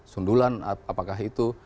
sundulan apakah itu